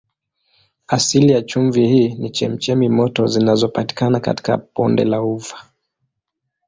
Asili ya chumvi hii ni chemchemi moto zinazopatikana katika bonde la Ufa.